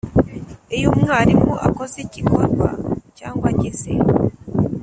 Iyo umwarimu akoze igikorwa cyangwa agize